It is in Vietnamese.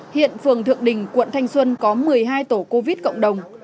hiện phường thượng đình quận thanh xuân có một mươi hai tổ covid cộng đồng